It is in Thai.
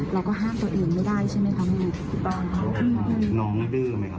แล้วบวกกับอารมณ์ของเรา